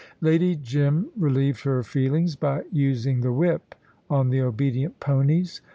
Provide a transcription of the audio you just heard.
Lady Jim relieved her feelings by using the whip on the obedient ponies.